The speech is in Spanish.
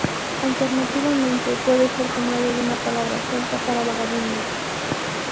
Alternativamente, puede ser tomado de una palabra celta para "vagabundo".